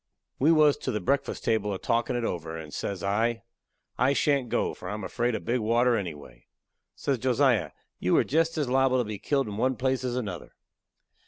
We was to the breakfast table a talkin' it over, and says I: "I shan't go, for I am afraid of big water, anyway." Says Josiah: "You are jest as liable to be killed in one place as another."